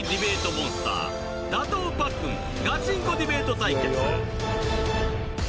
モンスター打倒パックンガチンコディベート対決